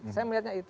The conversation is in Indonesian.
saya melihatnya itu